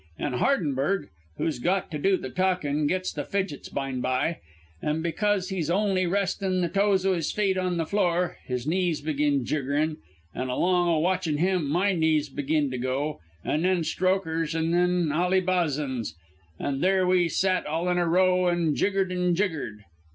An' Hardenberg, who's got to do the talkin', gets the fidgets byne by; and because he's only restin' the toes o' his feet on the floor, his knees begin jiggerin'; an' along o' watchin' him, my knees begin to go, an' then Strokher's and then Ally Bazan's. An' there we sat all in a row and jiggered an' jiggered.